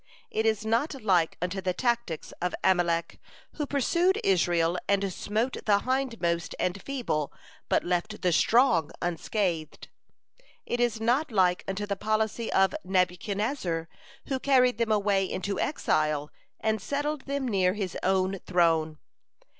It is not like unto the tactics of Amalek, who pursued Israel and smote the hindmost and feeble, but left the strong unscathed. It is not like unto the policy of Nebuchadnezzar, who carried them away into exile, and settled them near his own throne.